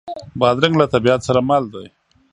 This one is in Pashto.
بادرنګ له طبیعت سره مل دی.